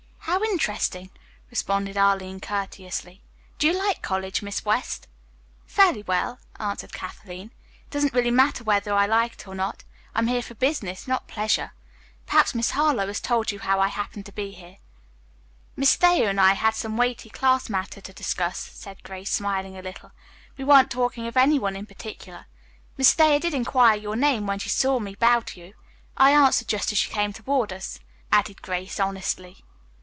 "How interesting," responded Arline courteously. "Do you like college, Miss West?" "Fairly well," answered Kathleen. "It doesn't really matter whether I like it or not. I am here for business, not pleasure. Perhaps Miss Harlowe has told you how I happened to be here." "Miss Thayer and I had some weighty class matters to discuss," said Grace, smiling a little. "We weren't talking of any one in particular. Miss Thayer did inquire your name when she saw me bow to you. I answered just as you came toward us," added Grace honestly.